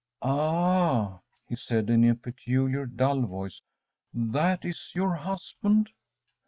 ‚ÄúAh!‚ÄĚ he said, in a peculiar, dull voice, “that is your husband?